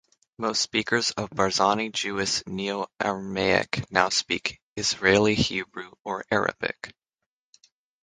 Most speakers of Barzani Jewish Neo-Aramaic now speak Israeli Hebrew or Arabic.